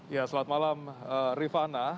ya selamat malam rifana